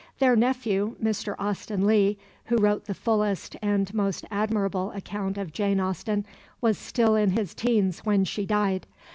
Their nephew, Mr. Austen Leigh, who wrote the fullest and most admirable account of Jane Austen, was still in his teens when she died.